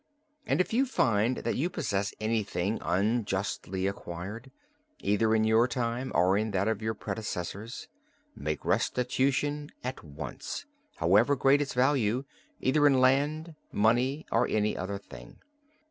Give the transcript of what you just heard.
... And if you find that you possess anything unjustly acquired, either in your time or in that of your predecessors, make restitution at once, however great its value, either in land, money, or any other thing.